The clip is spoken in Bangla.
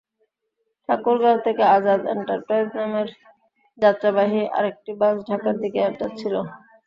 ঠাকুরগাঁও থেকে আজাদ এন্টারপ্রাইজ নামের যাত্রীবাহী আরেকটি বাস ঢাকার দিকে যাচ্ছিল।